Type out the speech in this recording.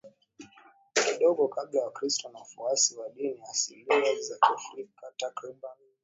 kidogo labda Wakristo na wafuasi wa dini asilia za Kiafrika takriban